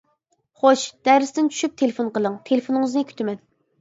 خوش دەرستىن چۈشۈپ تېلېفون قىلىڭ، تېلېفونىڭىزنى كۈتىمەن.